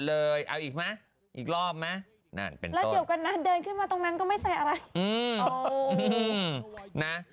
แล้วเดี๋ยวกันเติบมาตรงนั้นก็ไม่ใส่อะไร